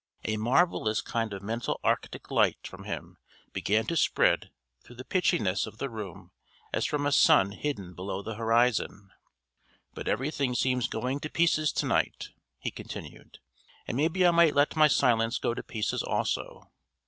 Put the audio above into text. A marvellous kind of mental arctic light from him began to spread through the pitchiness of the room as from a sun hidden below the horizon. "But everything seems going to pieces tonight," he continued; "and maybe I might let my silence go to pieces also.